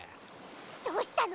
どうしたの？